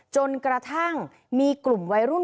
จนกระทั่งมีกลุ่มวัยรุ่น